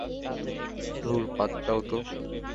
ধুর বাদ দাও তো।